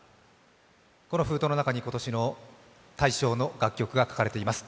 この封筒の中に今年の大賞の楽曲が書かれています。